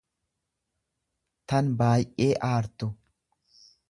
tan baay'ee aartu.